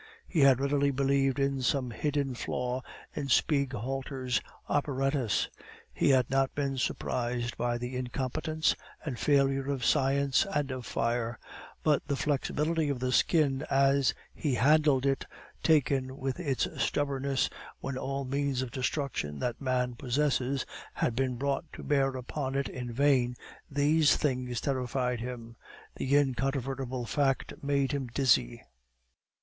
He had readily believed in some hidden flaw in Spieghalter's apparatus; he had not been surprised by the incompetence and failure of science and of fire; but the flexibility of the skin as he handled it, taken with its stubbornness when all means of destruction that man possesses had been brought to bear upon it in vain these things terrified him. The incontrovertible fact made him dizzy.